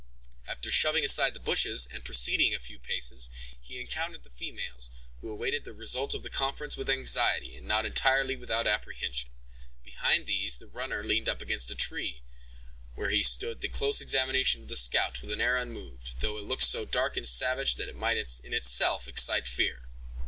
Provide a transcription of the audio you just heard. After shoving aside the bushes, and proceeding a few paces, he encountered the females, who awaited the result of the conference with anxiety, and not entirely without apprehension. Behind these, the runner leaned against a tree, where he stood the close examination of the scout with an air unmoved, though with a look so dark and savage, that it might in itself excite fear.